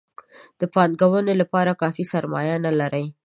د پانګونې لپاره کافي سرمایه نه لري.